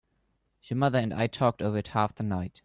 Your mother and I talked it over half the night.